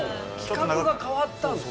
規格が変わった。